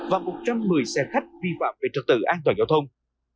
và một trăm một mươi xe khách vi phạm về trật tự an toàn giao thông